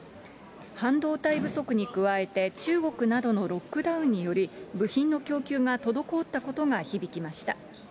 半導体不足に加えて、中国などのロックダウンにより、部品の供給が滞ったことが響きました。